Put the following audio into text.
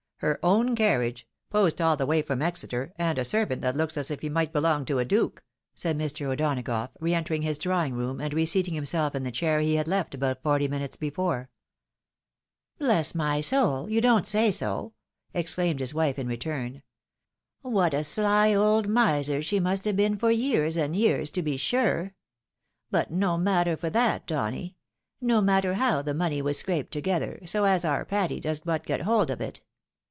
Her own carriage — ^post all the way from Exeter, and a servant that looks as if he might belong to a duke," said Mr. O'Donagough, re entering his drawing room, and reseating himself in the chair he had left about forty minutes before. " Bless my soul ! you don't say so !" exclaimed his wife in ■return. " What a sly old miser she must have been for years and years, to be sure ! But no matter for that, Donny — no matter howthe moneywas scraped together, so as our Patty does but get hold of it.